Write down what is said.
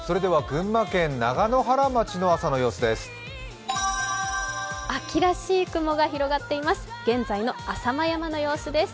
群馬県長野原町の朝の様子です。